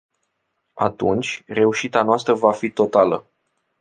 Atunci, reușita noastră va fi totală.